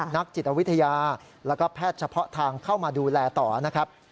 นักจิตวิทยาแล้วก็แพทย์เฉพาะทางเข้ามาดูแลต่อนะครับ